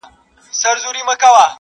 زما فال یې د حافظ په میخانه کي وو کتلی.!